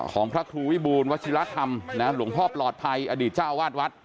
ของพระครูวิบูรณ์วัชฌิรภัณฑ์หลวงพ่อปลอดภัยอดีตเจ้าวาดวัด